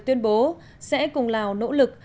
tuyên bố sẽ cùng lào nỗ lực